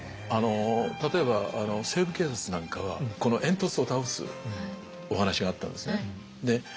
例えば「西部警察」なんかは煙突を倒すお話があったんですね。